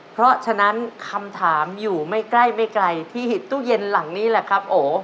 เพราะฉะนั้นคำถามอยู่ไม่ใกล้ไม่ไกลที่หิตตู้เย็นหลังนี้แหละครับโอ